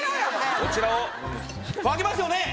こちらを開けますよね。